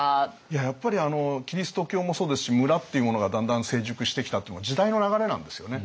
やっぱりキリスト教もそうですし村っていうものがだんだん成熟してきたっていうのが時代の流れなんですよね。